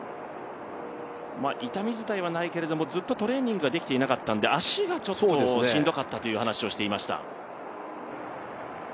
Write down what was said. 痛み自体はないけれどもずっとトレーニングができていなかったので足がちょっとしんどかったという話をしていました。